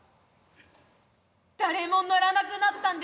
誰も乗らなくなったんです。